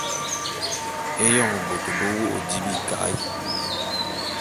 Éyoñ bôt be wô’ô di bika’e.